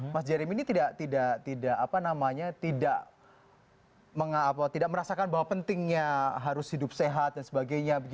mas jerem ini tidak merasakan bahwa pentingnya harus hidup sehat dan sebagainya